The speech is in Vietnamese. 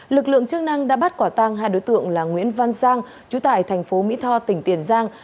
lực lượng chức năng đã bắt quả tăng hai đối tượng là nguyễn văn giang chú tại tp mỹ tho tỉnh tiền giang